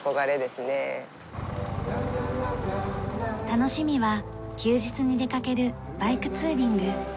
楽しみは休日に出かけるバイクツーリング。